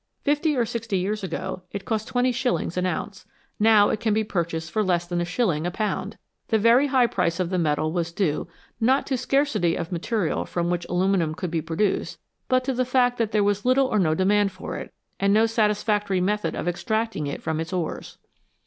Fifty or sixty years ago it cost twenty shillings an ounce ; now it can be purchased for less than a shilling a pound. The very high price of the metal was due, not to scarcity of material from which aluminium could be produced, but to the fact that there was little or no demand for it, and no satisfactory method of extract ing it from its ores.